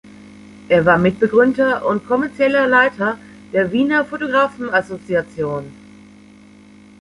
Er war Mitbegründer und kommerzieller Leiter der Wiener Photographen-Association.